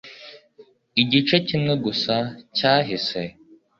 igice kimwe gusa cyahise